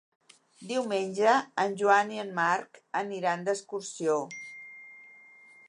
Diumenge en Joan i en Marc aniran d'excursió.